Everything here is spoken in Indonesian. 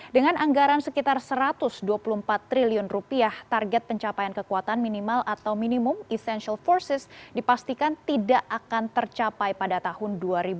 dengan anggaran sekitar satu ratus dua puluh empat triliun rupiah target pencapaian kekuatan minimal atau minimum essential forces dipastikan tidak akan tercapai pada tahun dua ribu dua puluh